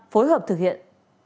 phối hợp thực hiện